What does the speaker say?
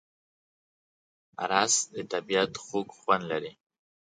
رس د طبیعت خوږ خوند لري